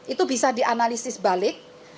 itu bisa dianalisis balik